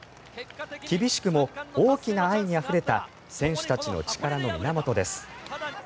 厳しくも、大きな愛にあふれた選手たちの力の源です。